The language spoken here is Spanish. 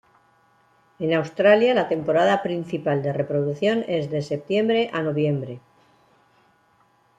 En Australia la temporada principal de reproducción es de septiembre a noviembre.